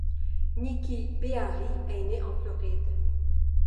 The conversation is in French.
Nikkie Beharie est née en Floride.